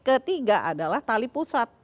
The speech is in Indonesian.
ketiga adalah tali pusat